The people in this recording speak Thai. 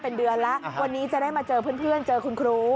เป็นเดือนแล้ววันนี้จะได้มาเจอเพื่อนเจอคุณครู